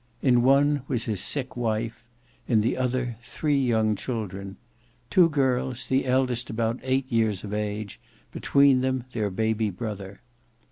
In one was his sick wife; in the other, three young children: two girls, the eldest about eight years of age; between them their baby brother.